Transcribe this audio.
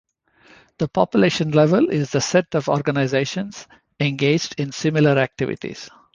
The population level is the set of organizations engaged in similar activities.